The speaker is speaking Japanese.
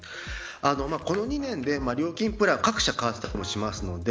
この２年で、料金プラン各社変わったりしてますので